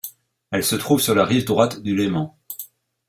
Elle se trouve sur la rive droite du Léman.